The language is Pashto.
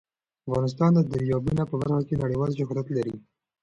افغانستان د دریابونه په برخه کې نړیوال شهرت لري.